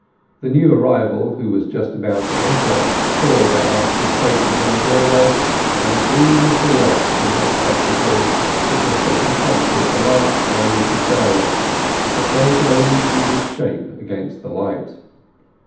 The new arrival, who was just about to enter, saw their anxious faces in the doorway and the gleam of the west in their spectacles because they confronted the last rays of day; but they could only see his shape against the light.